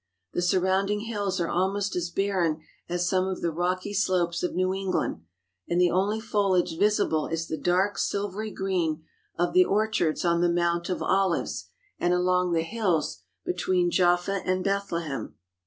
The surrounding hills are almost as barren as some of the rocky slopes of New England, and the only foliage visible is the dark silvery green of the orchards on the Mount of Olives and along the hills be tween Jaffa and Bethlehem.